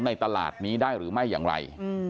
ในตลาดนี้ได้หรือไม่อย่างไร